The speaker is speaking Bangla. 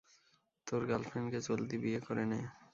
তোর গার্লফ্রেন্ডকে জলদি বিয়ে করে নে।